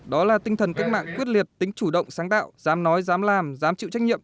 đó là tinh thần cách mạng quyết liệt tính chủ động sáng tạo dám nói dám làm dám chịu trách nhiệm